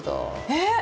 えっ？